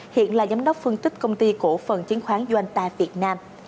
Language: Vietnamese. hiện là giám đốc phân tích công ty cổ phần chiến khoán doanta việt nam